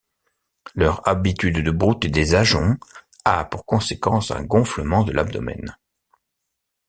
Leur habitude de brouter des ajoncs a pour conséquence un gonflement de l'abdomen.